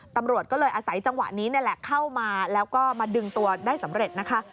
ตำรวจก็เลยอาศัยจังหวะนี้นี่แหละเข้ามาแล้วก็มาดึงตัวได้สำเร็จนะคะ